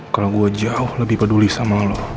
kalau gue jauh lebih peduli sama lo